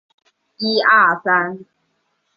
齐伐鲁取都。